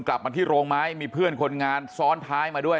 กลับมาที่โรงไม้มีเพื่อนคนงานซ้อนท้ายมาด้วย